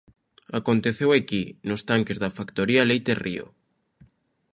Aconteceu aquí, nos tanques da factoría Leite Río.